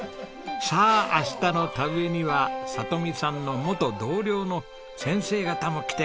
さあ明日の田植えには里美さんの元同僚の先生方も来てくれるんだそうですよ。